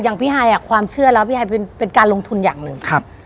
อย่างพี่ไฮความเชื่อแล้วพี่ไฮเป็นการลงทุนอย่างหนึ่ง